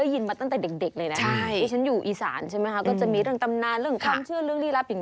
เยอะเน๊อค่ะภู